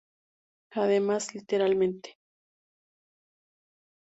Además, literalmente.